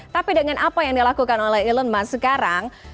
tapi dengan apa yang dilakukan oleh elon musk sekarang